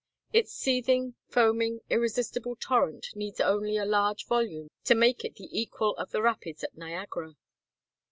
Its seething, foaming, irresistible torrent needs only a large volume to make it the equal of the rapids at Niagara.